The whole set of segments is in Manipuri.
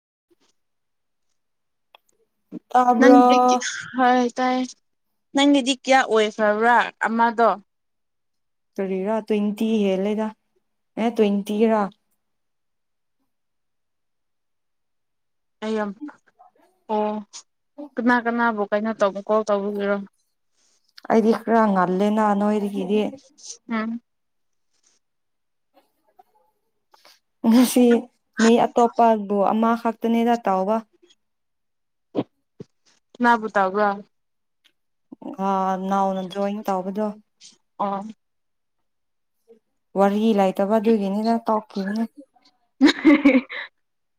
[unintelligible] ꯇꯥꯕ꯭ꯔꯣ ꯅꯪ ꯍꯥꯏ ꯇꯥꯏ ꯅꯪꯒꯤꯗꯤ ꯀꯌꯥ ꯑꯣꯏꯈ꯭ꯔꯕ꯭ꯔꯥ ꯑꯃꯗꯣ ꯇꯔꯤꯔꯥ ꯇ꯭ꯋꯦꯟꯇꯤ ꯍꯦꯜꯂꯦꯗ ꯑꯦ ꯇ꯭ꯋꯦꯟꯇꯤꯔ ꯑꯝ ꯑꯣ ꯀꯅꯥ ꯀꯅꯥꯕꯣꯛ ꯀꯩꯅꯣ ꯇꯧꯕ ꯀꯣꯜ ꯇꯧꯕꯤꯔꯣ ꯑꯩꯗꯤ ꯈꯔ ꯉꯜꯂꯦ ꯅꯍ ꯅꯣꯏꯗꯒꯤꯗꯤ ꯎꯝ ꯉꯁꯤ ꯃꯤ ꯑꯇꯣꯞꯄꯕꯨ ꯑꯃ ꯈꯛꯇꯅꯦꯗ ꯇꯥꯎꯕ ꯀꯅꯥ ꯄꯨꯇꯥꯎꯒ ꯑ ꯅꯥꯎꯅ ꯖꯣꯏꯟ ꯇꯧꯕꯗꯣ ꯑꯣ ꯋꯥꯔꯍꯤ ꯂꯩꯇꯕ ꯑꯗꯨꯒꯤꯅꯤꯅ ꯇꯧꯈꯤꯕꯅꯦ ꯍ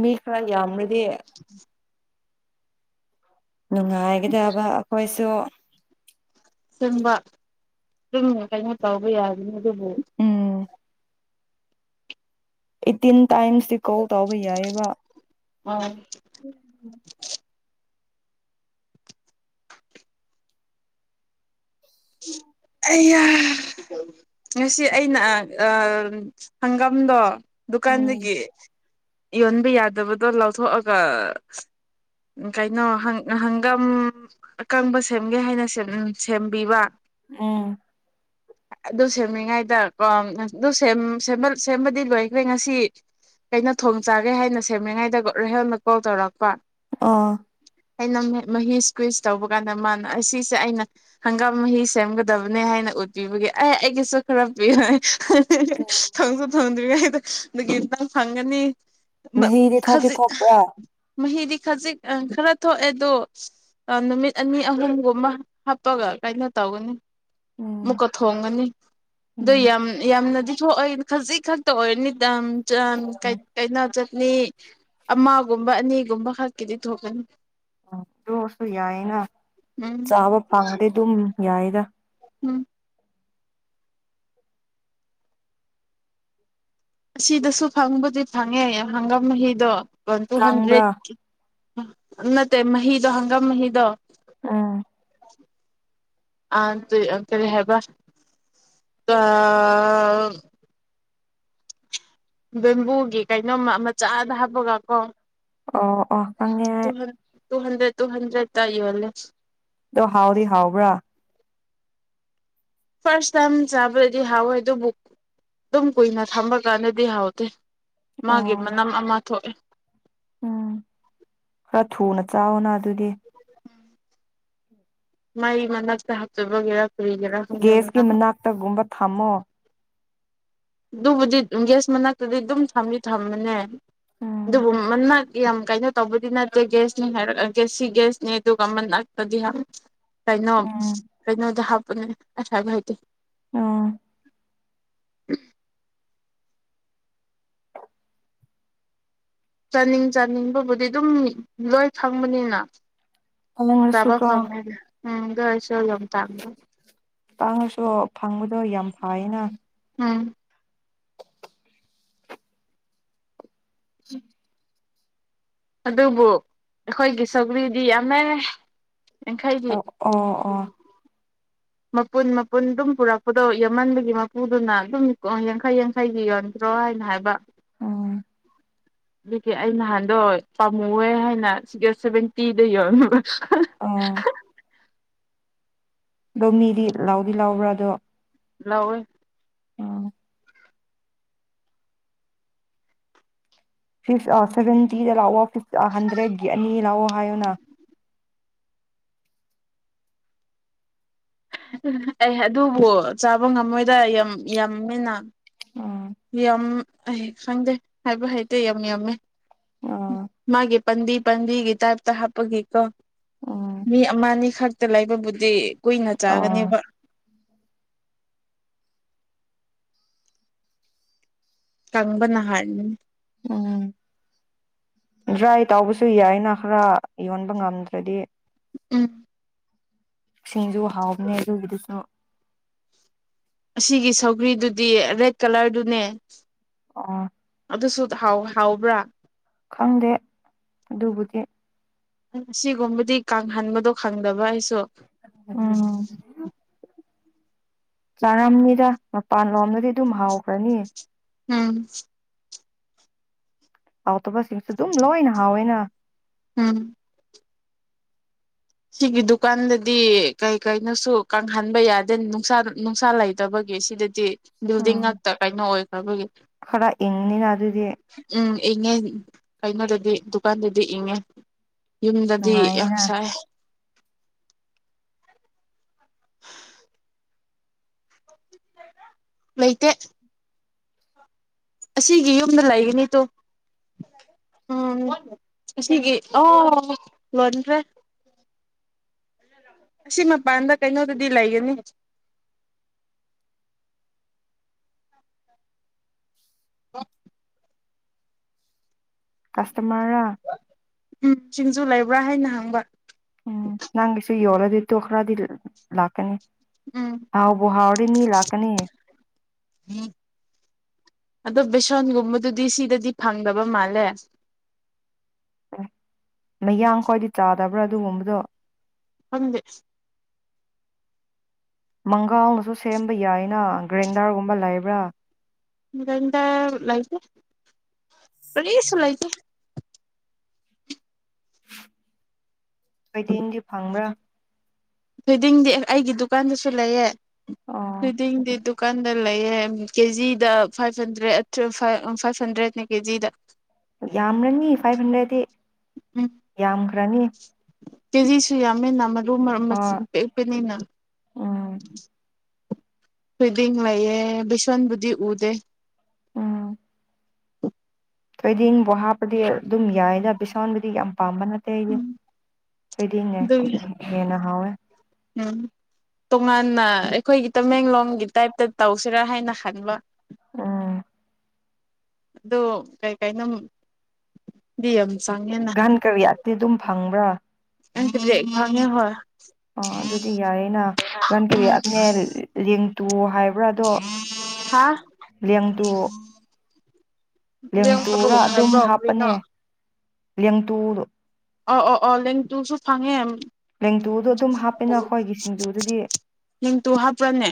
ꯃꯤ ꯈꯔ ꯌꯥꯝꯅꯗꯤ ꯅꯨꯡꯉꯥꯏꯒꯗꯕ ꯑꯩꯈꯣꯏꯁꯨ ꯁꯪꯕ ꯑꯗꯨꯝ ꯀꯩꯅꯣ ꯇꯧꯕ ꯌꯥꯒꯅꯤ ꯅꯃꯣ ꯎꯝ ꯑꯩꯇꯤꯟ ꯇꯥꯏꯝꯁꯇꯤ ꯀꯧ ꯇꯥꯎꯕ ꯌꯥꯏꯑꯕ ꯑꯣ ꯎꯝ ꯉꯁꯤ ꯑꯩꯅ ꯍꯪꯒꯥꯝꯗꯣ ꯎꯝ ꯗꯨꯀꯥꯟꯗꯒꯤ ꯌꯣꯟꯕ ꯌꯥꯗꯕꯗꯣ ꯂꯧꯊꯣꯛꯑꯒ ꯀꯩꯅꯣ ꯍꯪꯒꯝ ꯑꯀꯪꯕ ꯁꯦꯝꯒꯦ ꯍꯥꯏꯅ ꯁꯦꯝꯕꯤꯕ ꯎꯝ ꯑꯗꯨ ꯁꯦꯝꯔꯤꯉꯩꯗ ꯀ ꯑꯗꯨ ꯁꯦꯝꯕꯗꯤ ꯂꯣꯏꯈ꯭ꯔꯦ ꯉꯁꯤ ꯀꯩꯅꯣ ꯊꯣꯡ ꯆꯥꯒꯦ ꯍꯥꯏꯅ ꯁꯦꯝꯃꯤꯉꯩꯗ ꯔꯦꯍꯜꯅ ꯀꯣꯜ ꯇꯧꯔꯛꯄ ꯑꯥ ꯑꯩꯅ ꯃꯍꯤ ꯏꯁ ꯀ꯭ꯋꯤꯁ ꯇꯧꯕ ꯀꯥꯟꯗ ꯃꯥꯅ ꯑꯁꯤꯁꯦ ꯑꯩꯅ ꯍꯪꯒꯥꯝ ꯃꯍ ꯁꯦꯝꯒꯗꯕꯅꯦ ꯍꯥꯏꯅ ꯎꯠꯄꯤꯕꯒꯤ ꯑꯦ ꯑꯩꯒꯤꯁꯨ ꯈꯔ ꯄꯤꯔꯣꯏ ꯊꯪꯁꯨꯣ ꯊꯪ ꯅꯟ ꯐꯪꯅꯤ ꯃ ꯃꯍꯤꯗꯤ ꯊꯣꯛꯇꯤ ꯈꯖꯤ ꯊꯣꯛꯄ꯭ꯔꯥ ꯃꯗꯤ ꯈꯖꯤꯛ ꯈꯔ ꯊꯣꯛꯑꯦ ꯑꯗꯣ ꯅꯨꯃꯤꯠ ꯑꯅꯤ ꯑꯍꯨꯝꯒꯨꯝꯕ ꯍꯥꯞꯄꯒ ꯀꯥꯏꯩꯅꯣ ꯇꯧꯅꯤ ꯎꯝ ꯃꯨꯛꯀ ꯊꯣꯡꯉꯅꯤ ꯑꯗꯨ ꯎꯝ ꯌꯥꯝ ꯌꯥꯝꯅꯗꯤ ꯊꯣꯛ ꯑꯩ ꯈꯖꯤꯛ ꯈꯛꯇ ꯑꯣꯏꯔꯅꯤ ꯝ ꯆ ꯀꯩ ꯀꯩ ꯅ ꯆ ꯃꯤ ꯑꯃꯒꯨꯝꯕ ꯑꯅꯤꯒꯨꯝꯕ ꯈꯛꯀꯤꯗꯤ ꯊꯣꯛꯀꯅꯤ ꯎꯝ ꯑꯗꯨꯣꯛꯁꯨ ꯌꯥꯏꯅ ꯎꯝ ꯆꯥꯕ ꯐꯪꯗꯤ ꯑꯗꯨꯝ ꯌꯥꯏꯗ ꯎꯝ ꯑꯁꯤꯗꯁꯨ ꯐꯪꯕꯨꯗꯤ ꯐꯪꯉꯦ ꯍꯪꯒꯥꯝ ꯃꯍꯤꯗꯣ ꯋꯥꯟ ꯇꯨ ꯇꯥꯡꯕ꯭ꯔꯥ ꯍꯟꯗ꯭ꯔꯦꯠ ꯅꯠꯇꯦ ꯃꯍꯤꯗꯣ ꯍꯪꯒꯥꯝ ꯃꯍꯤꯗꯣ ꯑꯥ ꯑꯇꯔꯤ ꯍꯥꯏꯕ ꯑ ꯕꯝꯕꯨꯒꯤ ꯀꯩꯅꯣꯝꯃ ꯃꯆꯥꯗ ꯍꯥꯞꯄꯒ ꯀꯣ ꯑꯣ ꯑꯣ ꯑꯉꯦ ꯇꯨ ꯍꯟ꯭ꯔꯦꯠ ꯇꯨ ꯍꯟꯗ꯭ꯔꯦꯠ ꯇꯥꯏꯣꯂꯦ ꯑꯣ ꯍꯥꯎꯔꯤ ꯍꯥꯎꯕ꯭ꯔꯥ ꯐꯥꯔꯁ ꯇꯥꯏꯝ ꯆꯥꯕꯗꯗꯤ ꯍꯥꯎꯋꯦ ꯑꯗꯨꯕꯨ ꯑꯗꯨꯝ ꯀꯨꯏꯅ ꯊꯝꯕ ꯀꯥꯟꯗꯗꯤ ꯍꯥꯎꯇꯦ ꯃꯥꯒꯤ ꯎꯝ ꯃꯅꯝ ꯑꯃ ꯊꯣꯛꯑꯦ ꯎꯝ ꯈꯔ ꯊꯨꯅ ꯆꯥꯎꯅ ꯑꯗꯨꯒꯤ ꯃꯩ ꯃꯅꯥꯛꯇ ꯍꯥꯞꯆꯕꯒꯦꯔ ꯒꯦꯁꯀꯤ ꯃꯅꯥꯛꯇꯒꯨꯝꯕ ꯊꯝꯃꯣ ꯑꯗꯨꯕꯨꯗꯤ ꯒ꯭ꯌꯥꯁ ꯃꯅꯥꯛꯇꯗꯤ ꯑꯗꯨꯝ ꯊꯝꯗꯤ ꯊꯝꯃꯅꯦ ꯎꯝ ꯑꯗꯨꯕꯨ ꯃꯅꯥꯛ ꯌꯥꯝ ꯀꯩꯅꯣ ꯇꯧꯕꯗꯤ ꯅꯠꯇꯦ ꯒ꯭ꯌꯥꯁꯅꯤ ꯍꯥꯏꯔꯛ ꯒꯦꯁ ꯁꯤ ꯒ꯭ꯌꯥꯁꯅꯤ ꯑꯗꯨꯒ ꯃꯅꯥꯛꯇꯗꯤ ꯌꯥꯝ ꯀꯩꯅꯣ ꯀꯩꯅꯣꯗ ꯍꯥ [unintelligible] ꯑꯁ ꯍꯥꯏꯕ ꯍꯩꯇꯦ ꯎꯝ ꯍ [unintelligible] ꯆꯥꯅꯤꯡ ꯆꯥꯅꯤꯡꯕꯕꯨꯗꯤ ꯑꯗꯨꯝ ꯂꯣꯏ ꯐꯪꯕꯅꯤꯅ ꯆꯥꯕ ꯐꯪꯉꯦꯗ [unintelligible] ꯎꯝ ꯒꯥꯢꯁ ꯇꯥꯡꯉꯁꯨ ꯐꯪꯕꯗꯣ ꯌꯥꯝ ꯐꯥꯌꯦꯅ ꯎꯝ ꯎꯝ [unintelligible] ꯑꯗꯨꯕꯨ ꯑꯩꯈꯣꯏꯒꯤ ꯁꯧꯒ꯭ꯂꯤꯗꯤ ꯌꯥꯝꯃꯦ ꯌꯥꯡꯈꯩꯒꯤ ꯑ ꯑꯣ ꯑꯣ ꯃꯄꯨꯟ ꯃꯄꯨꯟ ꯑꯗꯨꯝ ꯄꯨꯔꯛꯄꯗꯣ ꯌꯥꯃꯟꯕꯒꯤ ꯃꯄꯨꯗꯨꯅ ꯑꯗꯨꯝ ꯌꯥꯡꯈꯩ ꯌꯥꯡꯈꯩꯒꯤ ꯌꯣꯟꯗ꯭ꯔꯣ ꯍꯥꯏꯅ ꯍꯥꯏꯕ ꯎꯝ ꯑꯗꯨꯒꯤ ꯑꯩ ꯅꯍꯥꯟꯗꯣ ꯄꯥꯝꯃꯨꯋꯦ ꯍꯥꯏꯅ ꯁꯤꯗ ꯁꯚꯦꯟꯇꯤꯗ ꯌꯣꯟꯕ ꯑꯣ [unintelligible] ꯑꯗꯣ ꯃꯤꯗꯤ ꯂꯥꯎꯗꯤ ꯂꯥꯎꯕ꯭ꯔꯥ ꯑꯗꯣ ꯂꯧꯋꯦ ꯎꯝ ꯐꯤ ꯑꯥ ꯁꯒꯦꯟꯇꯗ ꯂꯥꯎꯑꯣ ꯍꯟꯗ꯭ꯔꯦꯗꯒꯤ ꯑꯅꯤ ꯂꯥꯎꯋꯣ ꯍꯥꯏꯌꯨꯅ ꯑꯩ ꯑꯗꯨꯕꯨ ꯆꯥꯕ ꯉꯝꯃꯣꯏꯗ ꯌꯥꯝ ꯌꯥꯝꯃꯦꯅ ꯎꯝ ꯌꯥꯝ ꯑꯩ ꯈꯪꯗꯦ ꯍꯥꯏꯕ ꯍꯩꯇꯦ ꯌꯥꯝ ꯌꯥꯝꯃꯦ ꯑꯥ ꯃꯥꯒꯤ ꯄꯟꯗꯤꯠ ꯄꯥꯝꯕꯤꯒꯤ ꯇꯥꯏꯞꯇ ꯍꯥꯞꯄꯒꯤ ꯀꯣ ꯎꯝ ꯃꯤ ꯑꯃꯅꯤ ꯈꯔ ꯇ ꯂꯩꯕꯕꯨꯗꯤ ꯀꯨꯏꯅ ꯑꯥ ꯆꯥꯒꯅꯤꯕ ꯀꯪꯕꯅ ꯍꯥꯟꯅꯤ ꯎꯝ ꯗ꯭ꯔꯥꯏ ꯇꯥꯎꯕꯁꯨ ꯌꯥꯏꯅ ꯈꯔ ꯌꯣꯟꯕ ꯉꯝꯗ꯭ꯔꯗꯤ ꯎꯝ ꯁꯤꯡꯁꯨꯖꯨ ꯍꯥꯎꯕꯅꯦ ꯑꯗꯨꯒꯤꯗꯨꯁꯨ ꯑꯁꯤꯒꯤ ꯁꯧꯒ꯭ꯔꯤꯗꯨꯗꯤ ꯔꯦꯗ ꯀꯂꯔꯗꯨꯅꯦ ꯑꯣ ꯑꯗꯨꯁꯨ ꯍꯥꯎꯕ꯭ꯔꯥ ꯈꯪꯗꯦ ꯑꯗꯨꯕꯨꯗꯤ ꯑꯁꯤꯒꯨꯝꯕꯗꯤ ꯀꯥꯡꯍꯟꯕꯗꯣ ꯈꯪꯗꯕ ꯑꯩꯁꯨ ꯑꯣ ꯆꯥꯔꯝꯅꯤꯗ ꯃꯄꯥꯟ ꯂꯣꯝꯗꯗꯤ ꯑꯗꯨꯝ ꯍꯥꯎꯈ꯭ꯔꯅꯤ ꯎꯝ ꯍꯥꯎꯇꯕ ꯁꯤꯡꯁꯨ ꯑꯗꯨꯝ ꯂꯣꯏꯅ ꯍꯥꯎꯋꯦꯅ ꯎꯝ ꯁꯤꯒꯤ ꯗꯨꯀꯥꯟꯗꯗꯤ ꯀꯩ ꯀꯩꯅꯣꯁꯨ ꯀꯪꯍꯟꯕ ꯌꯥꯗꯦ ꯅꯨꯡꯁꯥ ꯅꯨꯡꯁꯥ ꯂꯩꯇꯕꯒꯤ ꯁꯤꯗꯗꯤ ꯕꯤꯜꯗꯤꯡ ꯎꯝ ꯉꯥꯛꯛꯇ ꯀꯩꯅꯣ ꯑꯣꯏ ꯇꯕꯨꯒꯤ ꯈꯔ ꯑꯦꯉꯅꯤꯅ ꯑꯗꯨ ꯑꯗꯨꯗꯤꯦ ꯎꯝ ꯏꯪꯉꯦ ꯀꯩꯅꯣꯗꯗꯤ ꯗꯨꯀꯥꯟꯗꯗꯤ ꯏꯪꯉꯦ ꯌꯨꯝꯗꯗꯤ ꯌꯥꯝ ꯅꯨꯡꯉꯥꯏꯌꯦꯅ ꯁꯥꯏ ꯂꯩꯇꯦ ꯑꯁꯤꯒꯤ ꯌꯨꯝꯗ ꯂꯩꯒꯅꯤꯗꯣ ꯎꯝ ꯑꯁꯤꯒꯤ ꯑꯣ ꯂꯣꯟꯗ꯭ꯔꯦ ꯑꯁꯤ ꯃꯄꯥꯟꯗ ꯀꯩꯅꯣꯗꯗꯤ ꯂꯩꯒꯅꯤ ꯀꯁꯇꯃꯔꯥ ꯎꯝ ꯁꯤꯡꯖꯨ ꯂꯩꯕ꯭ꯔꯥ ꯍꯥꯏꯅ ꯍꯪꯕ ꯎꯝ ꯅꯪꯁꯨ ꯌꯂꯗꯤ ꯇꯈ꯭ꯔꯗꯤ ꯂꯥꯛꯀꯅꯤ ꯎꯝ ꯑꯥꯎꯕ ꯍꯥꯥꯔꯔꯅꯤꯂꯥꯛꯀꯅꯤ ꯎꯝ ꯑꯗꯣ ꯕꯦꯁꯣꯟꯒꯨꯝꯕꯗꯨꯗꯤ ꯁꯤꯗꯗꯤ ꯐꯪꯗꯕ ꯃꯥꯜꯂꯦ ꯑꯦ ꯃꯌꯥꯡ ꯈ꯭ꯋꯥꯏꯗꯤ ꯆꯥꯗꯕ꯭ꯔꯥ ꯑꯗꯨꯒꯨꯝꯕꯗꯣ ꯐꯝꯦ ꯃꯪ ꯀꯥꯎꯅꯁꯨ ꯁꯦꯝꯕ ꯌꯥꯏꯅ ꯒ꯭ꯔꯦꯟꯗꯔꯒꯨꯝꯕ ꯂꯩꯕ ꯋꯥ ꯒꯗ ꯂꯩꯥꯏꯇꯦ ꯔꯤꯁꯨꯂꯥꯏꯇ ꯀꯩꯗꯦꯡꯗꯤ ꯐꯪꯕ꯭ꯔꯥ ꯐꯣꯏꯗꯤꯡꯗꯤ ꯑꯩꯒꯤ ꯗꯨꯀꯥꯟꯗꯁꯨ ꯂꯩꯌꯦ ꯑꯣ ꯑꯗꯨꯗꯤꯗꯤꯗꯨ ꯀꯥꯟꯗ ꯂꯩꯌꯦꯦ ꯀꯦꯖꯤꯗ ꯐꯥꯏꯚ ꯍꯟꯗ꯭ꯔꯦꯠ ꯐꯥꯏꯚ ꯍꯟꯗ꯭ꯔꯦꯠꯅꯦ ꯀꯦꯖꯤꯗ ꯌꯥꯝꯅꯅꯤ ꯐꯥꯏꯚ ꯍꯟꯗ꯭ꯔꯦꯠꯇꯤ ꯎꯝ ꯀꯌꯥ ꯔꯅꯤ ꯀꯦꯖꯤꯁꯨ ꯌꯥ ꯃꯃꯦ ꯅꯃ ꯑꯗꯨ ꯃꯔ ꯍꯣꯏ ꯃꯁꯤꯡ ꯄꯦꯛꯄꯅꯤꯅ ꯎꯝ ꯐꯗꯤ ꯂꯩꯏꯌꯦ ꯕꯤꯁꯟ ꯕꯨꯗꯤꯤ ꯎꯗꯦ ꯎꯝ ꯊꯣꯏꯗꯤ ꯏꯪꯕ ꯍꯥꯞꯄꯗꯤ ꯑꯗꯨꯝ ꯌꯥꯏꯅ ꯕꯤꯁꯣꯟꯕꯨꯗꯤ ꯌꯥꯝ ꯑꯄꯥꯝꯕ ꯅꯠꯇꯦ ꯑꯩꯦ ꯎꯝ ꯊꯣꯏꯗꯤꯅꯦꯦ ꯑꯗꯨꯒꯤ ꯍꯦꯟꯅ ꯍꯥꯎꯋꯦ ꯎꯝ ꯇꯣꯉꯥꯟꯅ ꯑꯩꯈꯣꯏꯒꯤ ꯇꯃꯦꯡꯂꯣꯡꯒꯤ ꯇꯥꯏꯞꯇ ꯇꯧꯁꯤꯔꯥ ꯍꯥꯏꯅ ꯈꯪꯕ ꯑꯥ ꯑꯗꯣ ꯀꯩꯀꯥꯏꯩꯅ ꯒꯥꯟ ꯀꯔꯤ ꯑꯠꯇꯤ ꯑꯗꯨꯝ ꯐꯪꯕ꯭ꯔꯥ ꯉꯦ ꯍ ꯑ ꯑꯗꯨꯗꯤ ꯌꯥꯏꯌꯦ ꯅ ꯎꯝ ꯀ ꯇꯨ ꯍꯥꯏ ꯕ꯭ꯔꯥꯗꯣ ꯍꯥ ꯂꯦꯡꯗ ꯂꯦꯡ ꯂꯦꯡꯇꯨꯔꯥ ꯄꯔꯨꯛ ꯑꯗꯨꯝ ꯍꯥꯏꯕ꯭ꯔꯣ ꯀꯔꯤꯅꯣ ꯍꯥꯞꯄꯅꯦ ꯂꯦꯡꯇꯨ ꯑ ꯑꯣ ꯑꯣ ꯂꯦꯡꯇꯨꯁꯨ ꯐꯪꯉꯦ ꯂꯦꯡꯇꯨꯗꯣ ꯑꯗꯨꯝ ꯍꯥꯞꯄꯦꯅ ꯑꯩꯈꯣꯏꯒꯤ ꯁꯤꯡꯖꯨꯗꯗꯤ ꯂꯦꯡꯇꯨ ꯍꯥꯞꯄ꯭ꯔꯅꯦ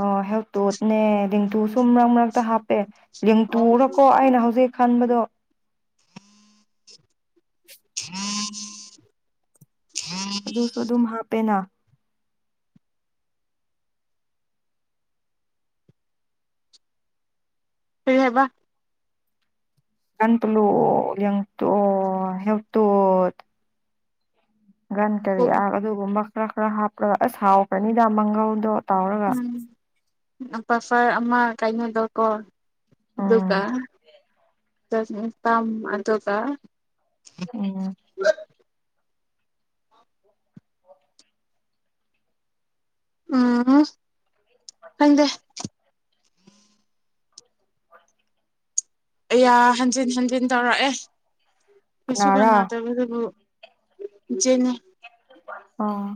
ꯑꯣ ꯍꯦꯜꯇꯣꯠꯅꯦ ꯂꯦꯡꯇꯨ ꯁꯨꯝ ꯃꯔꯛ ꯃꯔꯛꯇ ꯍꯥꯞꯄꯦ ꯑꯣ ꯌꯦꯦꯡꯇꯨꯔꯀꯣ ꯑꯩꯅ ꯍꯧꯖꯤꯛ ꯈꯟꯕꯗꯣ ꯍꯥꯝ ꯑꯗꯨꯁꯨ ꯑꯗꯨꯝ ꯍꯥꯞꯄꯦꯅ ꯍꯦꯕ ꯀꯟꯄ꯭ꯂꯣ ꯌꯦꯡ ꯇꯣ ꯍꯦꯕ ꯇꯣ ꯒꯟ ꯀꯔꯤ ꯎꯝ ꯑꯗꯨꯒꯨꯝꯕ ꯈꯔ ꯈꯔ ꯍꯥꯞꯄꯒ ꯑꯁ ꯍꯥꯎꯒꯅꯤꯗ ꯃꯪꯒꯧꯗꯣ ꯇꯥꯎꯔꯒ ꯄꯥ ꯐ ꯑꯃ ꯀꯥꯏꯅꯣꯗꯀꯣ ꯎꯝ ꯗꯨꯀ ꯊꯥꯝꯗ ꯀ ꯎꯝ ꯎꯝ ꯍꯗꯦ ꯌꯥ ꯍꯟꯖꯤꯟ ꯍꯟꯖꯤꯟ ꯇꯧꯔꯛꯑꯦ ꯀꯩꯁꯨ ꯀꯅꯥꯔꯥ ꯀꯅꯥ ꯇꯕ ꯑꯗꯨꯕꯨ ꯅꯦ ꯑ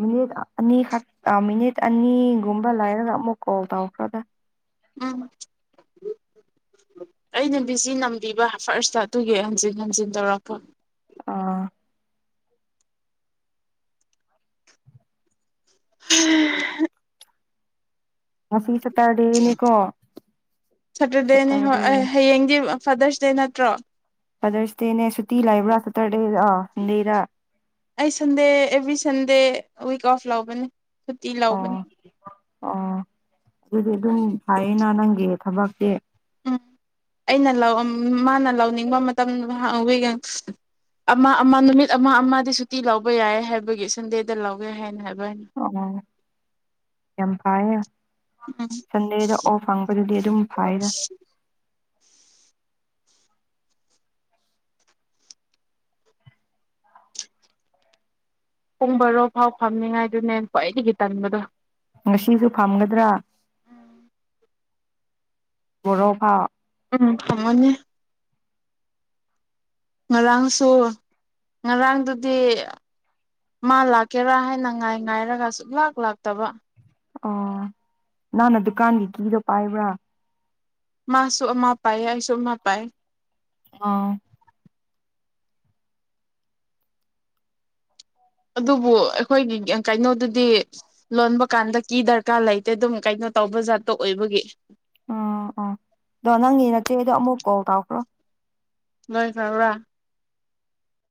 ꯃꯤꯅꯤꯠ ꯑꯅꯤꯈꯛ ꯃꯤꯅꯤꯠ ꯑꯅꯤꯒꯨꯝꯕ ꯂꯩꯔꯒ ꯑꯃꯨꯛ ꯀꯣꯜ ꯇꯧꯈ꯭ꯔꯗ ꯎꯝ ꯑꯩꯅ ꯕꯤꯖꯤ ꯅꯝꯕꯤꯕ ꯐꯥꯔꯁꯇ ꯑꯗꯨꯒꯤ ꯍꯟꯖꯤꯟ ꯍꯟꯖꯤꯟ ꯇꯧꯔꯛꯄ ꯑꯥ ꯎꯝ ꯉ ꯁꯇꯔꯗꯦꯅꯤꯀꯣ ꯁꯦꯇꯔꯗꯦꯅꯦ ꯍꯣꯏ ꯁꯇꯔꯗꯦ ꯑꯩ ꯍꯌꯦꯡꯗꯤ ꯐꯥꯗꯔꯁ ꯗꯦ ꯅꯠꯇ꯭ꯔꯣ ꯐꯗꯔꯁꯗꯦꯅꯦ ꯁꯨꯇꯤ ꯂ ꯂꯩꯕ꯭ꯔꯥ ꯁꯇꯔꯗꯦꯟꯗꯦꯗ ꯑꯩ Sunday every Sunday week of ꯂꯧꯕꯅꯦ ꯁꯨꯇꯤ ꯑꯣ ꯂꯧꯕꯅꯤ ꯑꯣ ꯑꯗꯨꯗꯤ ꯑꯗꯨꯝ ꯍꯥꯏꯌꯦꯅ ꯅꯪꯒꯤ ꯊꯕꯁꯦ ꯎꯝ ꯑꯩꯅ ꯂꯧ ꯃꯥꯅ ꯂꯧꯅꯤꯡꯕ ꯃꯇꯝꯗꯋ ꯑꯃ ꯑꯃ ꯅꯨꯃꯤꯠ ꯑꯃ ꯑꯃ ꯁꯨꯇꯤ ꯂꯧꯕ ꯌꯥꯏ ꯍꯥꯏꯕꯒꯤ ꯁꯟꯗꯦꯗ ꯂꯧꯋꯦ ꯍꯥꯏꯅ ꯍꯥꯏꯕ ꯍꯥꯏꯅ ꯑꯣ ꯌꯥꯝ ꯐꯔ ꯎꯝ ꯁꯟꯗꯦꯗ ꯑꯣ ꯐꯪꯕꯗꯨꯗꯤ ꯑꯗꯨꯝ ꯐꯥꯏꯔ ꯄꯨꯡꯕꯔꯣ ꯐꯥꯎ ꯐꯝꯅꯤꯉꯥꯏꯗꯨꯅꯦ ꯀ꯭ꯋꯥꯏꯗꯒꯤ ꯇꯟꯕꯗꯣ ꯉꯁꯤꯁꯨ ꯐꯝꯒꯗ꯭ꯔꯥ ꯔ ꯐꯥꯎ ꯎꯝ ꯐꯃꯅꯤꯦ ꯉꯔꯥꯡꯁꯨ ꯉꯔꯥꯡꯗꯨꯗꯤ ꯃꯥ ꯂꯥꯛꯀꯦꯔꯥ ꯍꯥꯏꯅ ꯉꯥꯏ ꯉꯥꯏꯔꯒ ꯁꯨꯡ ꯂꯥꯛ ꯂꯥꯛꯇꯕ ꯑꯣ ꯅꯍꯥꯟꯅ ꯗꯨꯀꯥꯟꯒꯤ ꯀꯤꯗꯣ ꯄꯥꯏꯕ꯭ꯔꯥ ꯃꯥꯁꯨ ꯑꯃ ꯄꯥꯏꯌꯦ ꯑꯩꯁꯨ ꯑꯃ ꯄꯥꯏ ꯑꯥ ꯑꯗꯨꯕꯨ ꯑꯩꯈꯣꯏꯒꯤ ꯀꯩꯅꯣꯗꯨꯗꯤ ꯂꯣꯟꯕ ꯀꯥꯟꯗ ꯀꯤ ꯗꯔꯀꯥꯔ ꯂꯩꯇꯦ ꯑꯗꯨꯝ ꯀꯩꯅꯣ ꯇꯧꯕ ꯖꯥꯠꯇꯣ ꯑꯣꯏꯕꯒꯤ ꯎꯝ ꯑꯣ ꯑꯗꯣ ꯅꯪꯒꯤ ꯅꯠꯇꯦ ꯑꯗꯣ ꯑꯃꯨꯛ ꯀꯣꯜ ꯇꯧꯈ꯭ꯔꯣ ꯂꯣꯏ ꯐꯥ